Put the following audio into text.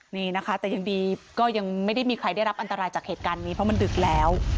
นี่นะคะแต่ยังดีก็ยังไม่ได้มีใครได้รับอันตรายจากเหตุการณ์นี้เพราะมันดึกแล้ว